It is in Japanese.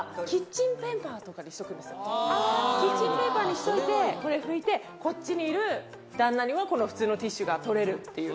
キッチンペーパーにしといてこれ拭いてこっちにいる旦那にはこの普通のティッシュが取れるっていう。